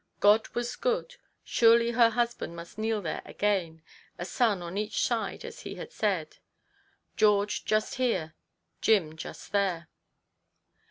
God was good. Surely her husband must kneel there again : a son on each side as he had said ; George just here, Jim just there.